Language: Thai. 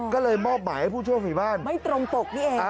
ก็เลยมอบหมายให้ผู้ช่วยฝีบ้านไม่ตรงปกนี่เอง